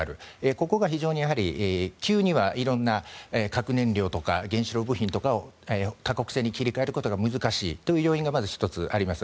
ここが非常に急にはいろんな核燃料とか原子炉部品とかを他国製に切り替えることが難しいという要因がまず１つあります。